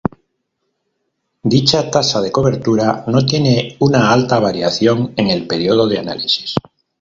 Dicha tasa de cobertura no tiene una alta variación en el periodo de análisis.